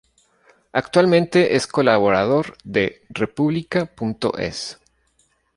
Actualmente es colaborador de República.es.